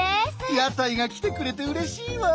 屋台が来てくれてうれしいわ。